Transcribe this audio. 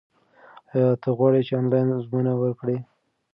ایا ته غواړې چې آنلاین ازموینه ورکړې؟